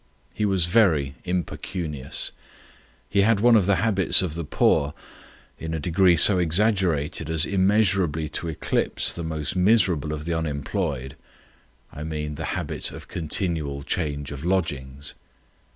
He was very impecunious. He had one of the habits of the poor, in a degree so exaggerated as immeasurably to eclipse the most miserable of the unemployed; I mean the habit of continual change of lodgings.